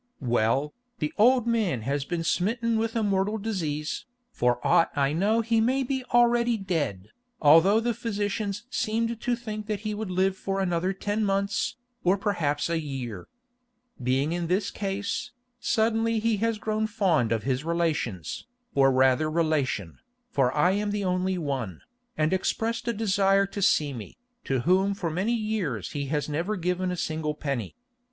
"Well, the old man has been smitten with a mortal disease. For aught I know he may be already dead, although the physicians seemed to think he would live for another ten months, or perhaps a year. Being in this case, suddenly he has grown fond of his relations, or rather relation, for I am the only one, and expressed a desire to see me, to whom for many years he has never given a single penny.